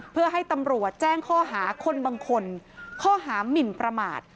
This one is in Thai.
เพื่อให้ตำรวจแจ้งข้อหาคนบางคนข้อหามินประมาท